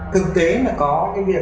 thực tế là có cái việc